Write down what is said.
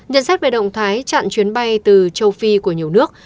nhân sách về động thái chặn chuyến bay từ châu phi của nhiều nước